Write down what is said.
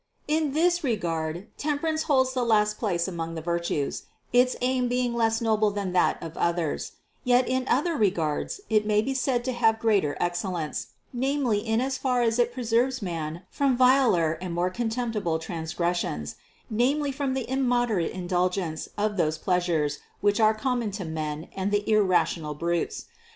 584. In this regard temperance holds the last place among the virtues, its aim being less noble than that of 449 450 CITY OF GOD others ; yet in other regards it may be said to have greater excellence, namely in as far as it preserves man from viler and more contemptible transgressions, namely from the immoderate indulgence of those pleasures which are com mon to men and the irrational brutes.